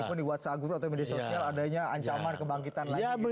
meskipun di whatsapp guru atau media sosial adanya ancaman kebangkitan lainnya gitu